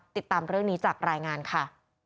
ติดตามเรื่องนี้จากรายงานค่ะ